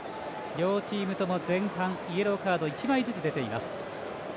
両チームとも前半イエローカード１枚ずつ出ています。